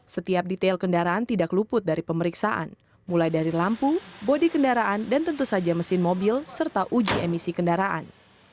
setiap detail kendaraan tidak luput dari pemeriksaan mulai dari lampu bodi kendaraan dan tentu saja mesin mobil serta uji emisi kendaraan